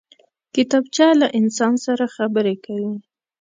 کتابچه له انسان سره خبرې کوي